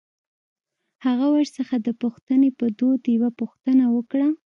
هغه ورڅخه د پوښتنې په دود يوه پوښتنه وکړه.